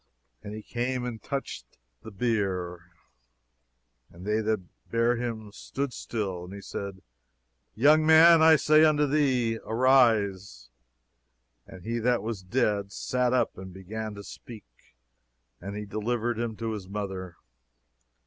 "And he came and touched the bier: and they that bare him stood still. And he said, Young man, I say unto thee, arise. "And he that was dead sat up, and began to speak. And he delivered him to his mother.